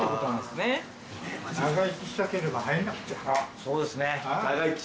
あっそうですね。